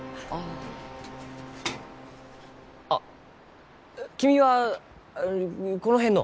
あっ君はこの辺の？